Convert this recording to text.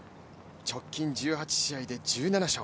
直近１８試合で１７勝。